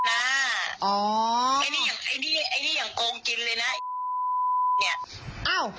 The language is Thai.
ไอ้นี่อย่างโกงกินเลยนะ